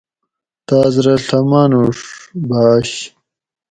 تاس رہ ڷہ مانوڛ بھاش